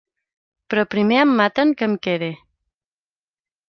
Però primer em maten que em quede.